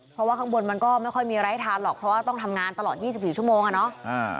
เพราะว่าข้างบนมันก็ไม่ค่อยมีอะไรให้ทานหรอกเพราะว่าต้องทำงานตลอด๒๔ชั่วโมงอ่ะเนาะ